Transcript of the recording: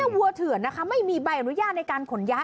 วัวเถื่อนนะคะไม่มีใบอนุญาตในการขนย้าย